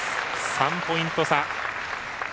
３ポイント差。